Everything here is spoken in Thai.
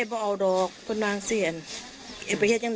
ไอกับเธอเอาไปดิน